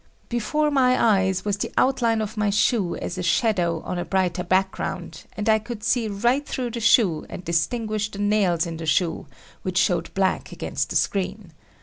Before my eyes was the outline of my shoe as a shadow on a brighter background and I could see right through the shoe and distinguish the nails in the shoe which showed black against the screen.